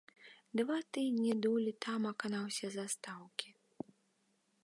Два тыдні дулі тамака на ўсе застаўкі.